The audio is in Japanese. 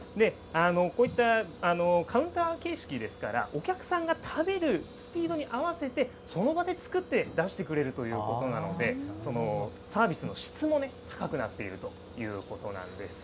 こういったカウンター形式ですから、お客さんが食べるスピードに合わせて、その場で作って出してくれるということなので、サービスの質も高くなっているということなんです。